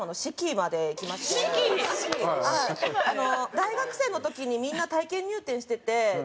大学生の時にみんな体験入店しててキャバクラの。